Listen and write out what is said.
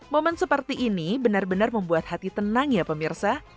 momen seperti ini benar benar membuat hati tenang ya pemirsa